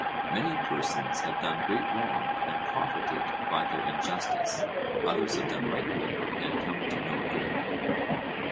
Many persons have done great wrong and profited by their injustice; others have done rightly and come to no good.